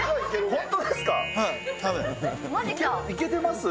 本当ですか。